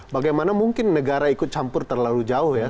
bagaimana mungkin negara ikut campur terlalu jauh ya